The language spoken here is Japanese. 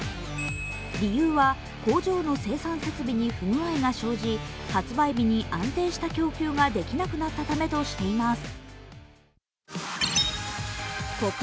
理由は、工場の生産設備に不具合が生じ、発売日に安定した供給ができなくなったためとしています。